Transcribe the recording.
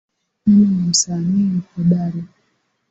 Mimi ni msanii hodari